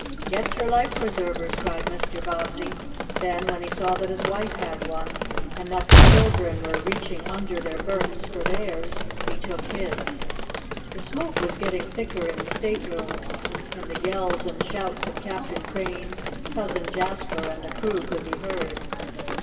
"Get your life preservers!" cried Mr. Bobbsey; then, when he saw that his wife had one, and that the children were reaching under their berths for theirs, he took his. The smoke was getting thicker in the staterooms, and the yells and shouts of Captain Crane, Cousin Jasper and the crew could be heard.